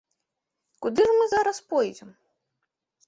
Куды ж мы зараз пойдзем?